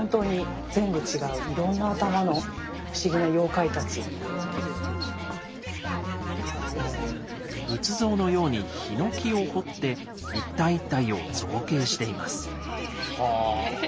こちらはですね１３６⁉仏像のようにヒノキを彫って一体一体を造形しています。